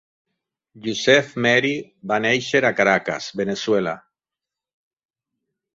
Yucef Merhi va néixer a Caracas, Veneçuela.